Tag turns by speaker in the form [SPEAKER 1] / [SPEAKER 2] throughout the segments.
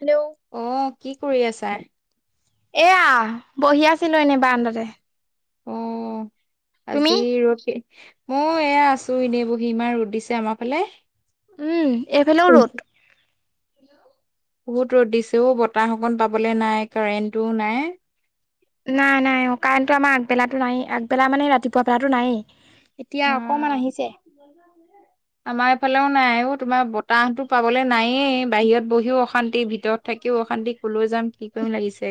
[SPEAKER 1] Hello.
[SPEAKER 2] অ', কি কৰি আছা?
[SPEAKER 1] এয়া, বহি আছিলো এনেই বাৰান্দাতে।
[SPEAKER 2] অ',
[SPEAKER 1] তুমি
[SPEAKER 2] আজি ৰদ মই এয়া আছো এনেই বহি, ইমান ৰ'দ দিছে আমাৰ ফালে।
[SPEAKER 1] উমঁ, এইফালেও ৰ'দ।
[SPEAKER 2] বহুত ৰ'দ দিছে অ' বতাহ অকণ পাবলে নাই কাৰেণ্ট টো নাই।
[SPEAKER 1] নাই - নাই অ', কাৰেন্টো আমাৰ আগবেলাতো নাই আগবেলা মানে ৰাতিপুৱা বেলাতো নাইয়ে। এতিয়া
[SPEAKER 2] অ
[SPEAKER 1] অকমান আহিছে
[SPEAKER 2] আমাৰ এইফালেও নাই অ' তোমাৰ বতাহতো পাবলৈ নায়েই বাহিৰত বহিও অশান তি ভিতৰত থাকিও অশান্তি কলৈ যাম কি কৰিম লাগিছে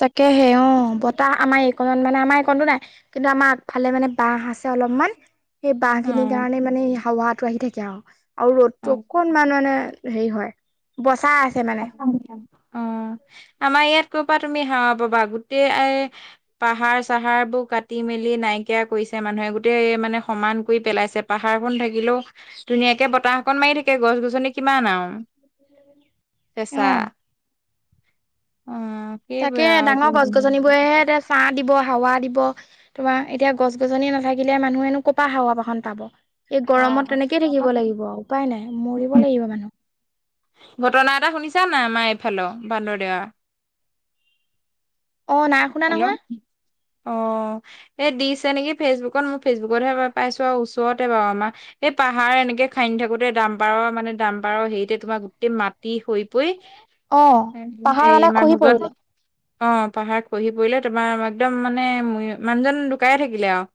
[SPEAKER 1] তাকেহে অ বতাহ আমাৰ এইকণত মানে আমাৰ এইকণতো নাই কিন্তু আমাৰ আগফালে মানে বাঁহ আছে অলপমান সেই বাঁহ খিনিৰ
[SPEAKER 2] অ
[SPEAKER 1] কাৰণে মানে হাৱাটো আহি থাকে আৰু আৰু
[SPEAKER 2] অ
[SPEAKER 1] ৰ'দটো অকনমান মানে হেৰি হয় বচা
[SPEAKER 2] অ', আমাৰ ইয়াত কৰ পৰা তুমি হাৱা পাবা গোটেই আয়ে পাহাৰ চাহাৰ বোৰ কাটি মেলি নাইকিয়া কৰিছে মানুহে গোটেই মানে সমান কৰি পেলাইছে পাহাৰ খন থাকিলেও ধুনীয়াকে বতাহকন মাৰি থাকে গছ গছনি কিমান আৰু।
[SPEAKER 1] [inaudible]
[SPEAKER 2] চেচা উম,
[SPEAKER 1] তাকে ডাঙৰ গছ গছনিবোৰেহে এতিয়া ছাহ দিব হাৱা দিব। তোমাৰ এতিয়া গছ গছনি নাথাকিলে মানুহেনো কপা হাৱা বাহন পাব? এই গৰমত
[SPEAKER 2] অ'
[SPEAKER 1] তেনেকেই থাকিব লাগিব উপায় নাই মৰিব লাগিব মানুহ।
[SPEAKER 2] ঘটনা এটা শুনিছা নাই আমাৰ এইফালৰ বান্দৰদেৱা
[SPEAKER 1] অ', না
[SPEAKER 2] হেল্ল' অ', এ দিছে নেকি ফেচবুকত মোক ফেচবুকতহে পাইছো আৰু ওচৰতে বাৰু আমাৰ সেই পাহাৰ এনেকে খান্দি থাকোতে দামপাৰৰ মানে দামপাৰৰ হেৰিতে তোমাৰ গোটেই মাটি হৰি পৰি
[SPEAKER 1] অ পাহাৰ
[SPEAKER 2] সেই
[SPEAKER 1] মানে খহি
[SPEAKER 2] মানুহজন
[SPEAKER 1] পৰিলে
[SPEAKER 2] অ', পাহাৰ খহি পৰিলে তোমাৰ একদম মানে মানুহজন ধুকাই থাকিলে আৰু।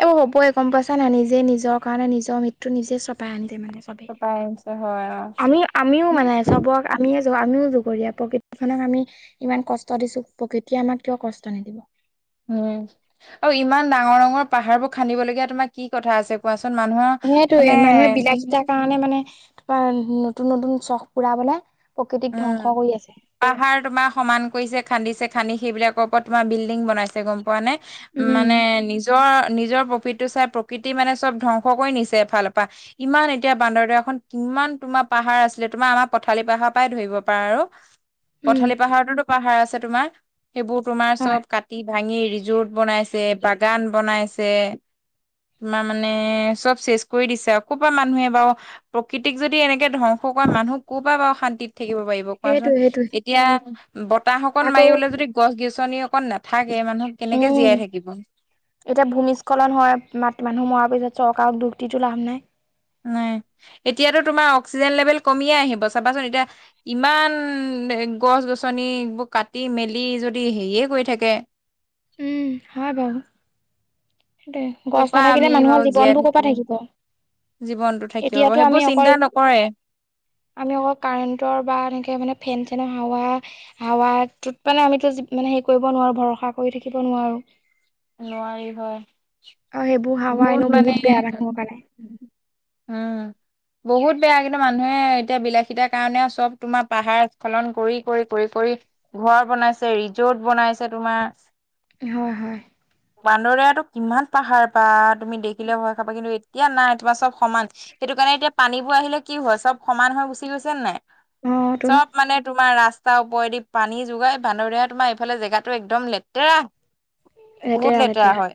[SPEAKER 1] এই হ'বই গম পাইছ' নাই নিজে নিজৰ কাৰণে নিজৰ মৃত্যু নিজে চপাই আনিলি মানে
[SPEAKER 2] কপাই আহিছে হয় অ',
[SPEAKER 1] আমি আমিও মানে চবৰ আমিয়ে আমিও জগৰীয়া প্ৰকৃতিখনক আমি ইমান কষ্ট দিছো প্ৰকৃতিয়ে আমাক কিয় কষ্ট নিদিব।
[SPEAKER 2] উম, আৰু ইমান ডাঙৰ ডাঙৰ পাহাৰ বোৰ খান্দিবলগীয়া তোমাৰ কি কথা আছে। কোৱাচোন মানুহৰ
[SPEAKER 1] সেইটোৱে
[SPEAKER 2] মানে
[SPEAKER 1] মানুহে বিলাসিতাৰ কাৰণে মানে বা নতুন নতুন চখ পুৰাবলে প্ৰকৃতিক
[SPEAKER 2] উম।
[SPEAKER 1] ধ্বংস কৰি আছে।
[SPEAKER 2] পাহাৰ তোমাৰ সমান কৰিছে খান্দিছে খান্দি সেইবিলাকৰ ওপৰত তোমাৰ বিল্ডিং বনাইছে গম পোৱা নে।
[SPEAKER 1] উম,
[SPEAKER 2] মানে নিজ নিজৰ নিজৰ প্ৰফিটটো চাই প্ৰকৃতি মানে চব ধ্বংস কৰি নিছে এফালৰ পা ইমান এতিয়া বান্দৰদাৰখন ইমান তোমাৰ পাহাৰ আছিলে তোমাৰ আমাৰ পথালি পাহাৰ পাই ধৰিব পাৰা আৰু
[SPEAKER 1] উম,
[SPEAKER 2] পথালি পাহাৰতোতো পাহাৰ আছে তোমাৰ। সেইবোৰ তোমাৰ
[SPEAKER 1] হয়
[SPEAKER 2] চব কাটি-ভাঙি ৰিজোৰ্ট বনাইছে, বাগান বনাইছে তোমাৰ মানে চব চেজ কৰি দিছে, কৰপা মানুহে বাৰু প্ৰকৃতিক যদি এনেকে ধ্বংস কৰে, মানুহ ক'ৰ পৰা বাৰু শান্তিত থাকিব পাৰিব কোৱাচোন?
[SPEAKER 1] সেইটোৱে সেইটোৱে।
[SPEAKER 2] এতিয়া বতাহ অকন
[SPEAKER 1] আকৌ
[SPEAKER 2] মাৰিবলে যদি গছ-গছনি অকণ নাথাকে, মানুহ কেনেকে
[SPEAKER 1] উম,
[SPEAKER 2] জীয়াই থাকিব?
[SPEAKER 1] এতিয়া ভূমিস্খলন হয়, মাত মানুহ মৰাৰ পিছত চৰকাৰক দুষ দিটো লাভ নাই।
[SPEAKER 2] নাই, এতিয়াতো তোমাৰ অক্সিজেন লেভেল কমিয়ে আহিব চাবাচোন এতিয়া ইমান গছ-গছনি এইবোৰ কাটি মেলি যদি হেৰিয়ে কৰি থাকে
[SPEAKER 1] উম, হয় বাৰু। দে
[SPEAKER 2] ক'ৰ
[SPEAKER 1] গছ
[SPEAKER 2] পৰা আমি
[SPEAKER 1] নাথাকিলে
[SPEAKER 2] বাৰু
[SPEAKER 1] মানুহৰ
[SPEAKER 2] জীয়াই
[SPEAKER 1] জীৱনবোৰ ক'ৰপা
[SPEAKER 2] থাকিম
[SPEAKER 1] থাকিব?
[SPEAKER 2] জীৱনটো থাকিব পাব,
[SPEAKER 1] এতিয়াতো আমি
[SPEAKER 2] সেইবোৰ
[SPEAKER 1] অকল
[SPEAKER 2] চিন্তা নকৰে।
[SPEAKER 1] আমি অকল কাৰেণ্টৰ বা এনেকে মানে ফেন চেনৰ হাৱা হাৱাতোত মানে, আমিতো মানে হেৰি কৰিব নোৱাৰো ভৰসা কৰি থাকিব নোৱাৰো।
[SPEAKER 2] নোৱাৰি হয়।
[SPEAKER 1] অ', সেইবোৰ হাৱা এনেও বহুত বেয়া মানুহৰ কাৰণে।
[SPEAKER 2] উম। বহুত বেয়া, কিন্তু মানুহে এতিয়া বিলাসীতাৰ কাৰণে চব তোমাৰ পাহাৰ স্খলন কৰি-কৰি কৰি-কৰি ঘৰ বনাইছে, ৰিজৰ্ট বনাইছে তোমাৰ
[SPEAKER 1] হয়, হয়।
[SPEAKER 2] [unintelligible] কিমান পাহাৰ বা তুমি দেখিলে ভয় খাবা কিন্তু এ এতিয়া নাই তোমাৰ চব সমান, সেইটো কাৰণে এতিয়া পানীবোৰ আহিলে কি হয় চব সমান হৈ গুচি গৈছে নে নাই?
[SPEAKER 1] অ' তোন
[SPEAKER 2] চপ মানে তোমাৰ ৰাস্তাৰ ওপৰেদি পানী যোগাই, [unintelligible] তোমাৰ এইফালে জেগাটো একদম লেতেৰা। বহুত লেতেৰা হয়।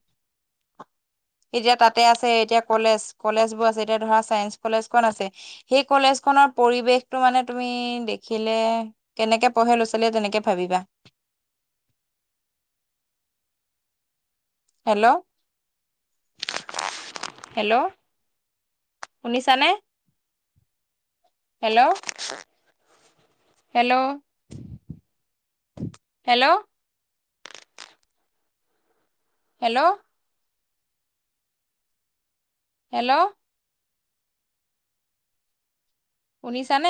[SPEAKER 2] এতিয়া তাতে আছে, এতিয়া কলেজ। কলেজবোৰ আছে এতিয়া ধৰা, চাইন্স কলেজখন আছে। সেই কলেজখনৰ পৰিৱেশটো মানে তুমি দেখিলে কেনেকে পঢ়ে ল'ৰা-ছোৱালীয়ে তেনেকে ভাবিবা। Hello, hello. শুনিছানে? Hello, hello. Hello. Hello. Hello. শুনিছানে?